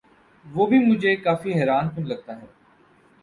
وہ بھی مجھے کافی حیران کن لگتا ہے۔